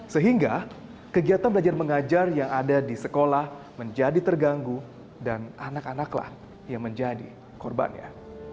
sehingga kegiatan belajar mengajar yang ada di sekolah menjadi terganggu dan anak anaklah yang menjadi korbannya